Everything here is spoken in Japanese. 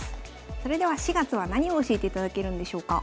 それでは４月は何を教えていただけるんでしょうか？